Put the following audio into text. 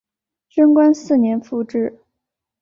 贞观四年复置。